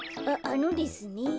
ああのですね